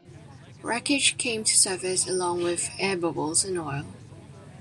Wreckage came to the surface along with air bubbles and oil.